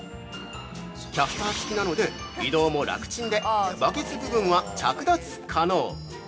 キャスターつきなので移動も楽ちんでバケツ部分は着脱可能！